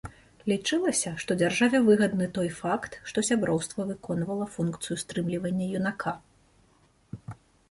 Лічылася, што дзяржаве выгодны той факт, што сяброўства выконвала функцыю стрымлівання юнака.